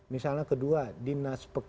misalnya kedua dinas